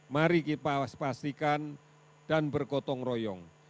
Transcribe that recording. mari kita pastikan dan bergotong royong